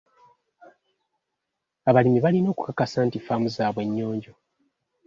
Abalimi balina okukakasa nti ffaamu zaabwe nnyonjo.